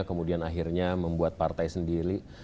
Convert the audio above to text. kemudian akhirnya membuat partai sendiri